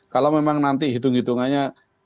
kalau memang nanti hitung hitungannya